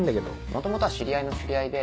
元々は知り合いの知り合いで。